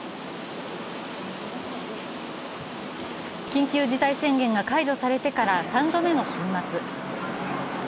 緊急事態宣言が解除されてから３度目の週末。